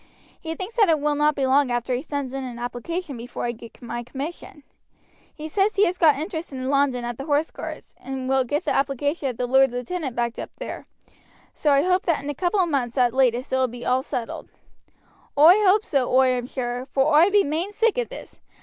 He thinks that it will not be long after he sends in an application before I get my commission. He says he has got interest in London at the Horse Guards, and will get the application of the lord lieutenant backed up there; so I hope that in a couple of months at latest it will all be settled." "Oi hope so, oi am sure, vor oi be main sick of this.